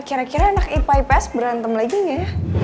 kira kira anak ipa ipes berantem lagi gak ya